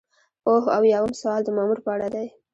اووه اویایم سوال د مامور په اړه دی.